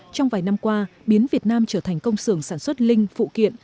trong vài năm qua biến việt nam trở thành công sưởng sản xuất linh phụ kiện